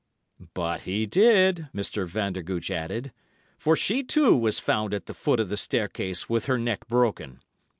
"But he did," Mr. Vandergooch added, "for she, too, was found at the foot of the staircase with her neck broken!